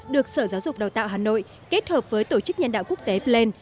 được sở giáo dục đào tạo hà nội kết hợp với tổ chức nhân đạo quốc tế pland